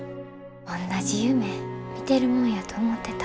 おんなじ夢見てるもんやと思ってた。